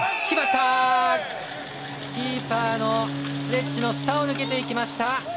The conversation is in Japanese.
キーパーのスレッジの下を抜けていきました。